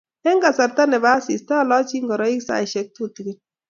Eng kasarta nebo asista alochi ingoriet saisiek tutukin